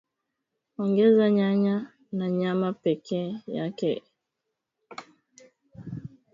Ongeza nyanya na nyama peke yake vitunguu vikianza kuiva